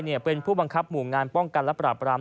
เป็นผู้บังคับหมู่งานป้องกันและปราบราม